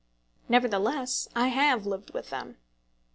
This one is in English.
Nevertheless I have lived with them.